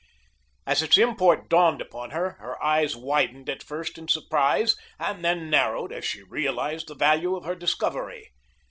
As its import dawned upon her, her eyes widened at first in surprise and then narrowed as she realized the value of her discovery.